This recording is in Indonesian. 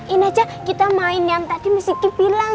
ini aja kita main yang tadi miss kiki bilang